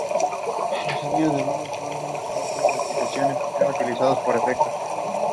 Los anillos del humor son un ejemplo de aplicación que funciona utilizando este efecto.